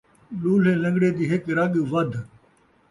لولھے لن٘گڑے دی ہک رڳ ودھ